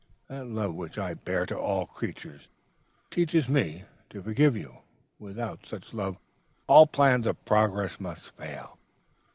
That love which I bear to all creatures teaches me to forgive you. Without such love, all plans of progress must fail.